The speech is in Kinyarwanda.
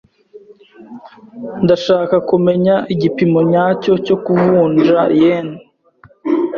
Ndashaka kumenya igipimo nyacyo cyo kuvunja yen.